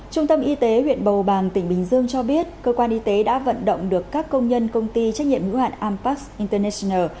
trung tâm y tế huyện bầu bàng tỉnh bình dương cho biết cơ quan y tế đã vận động được các công nhân công ty trách nhiệm hữu hạn ampax international